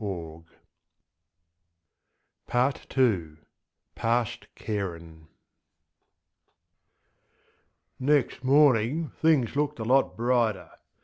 PART 2: PAST CARIN'[edit] NEXT morning things looked a lot brighter.